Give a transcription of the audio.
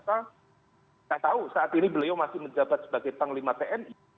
kita tahu saat ini beliau masih menjabat sebagai panglima tni